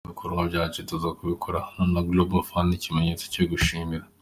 Kuba ibikorwa byacu tuza kubikorera hano na Global Fund ni ikimenyetso cyo gushimira.”